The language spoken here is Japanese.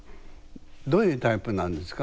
どういうタイプなんですか？